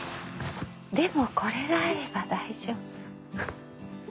でもこれがあれば大丈夫。